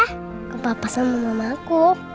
kepapa sama mamaku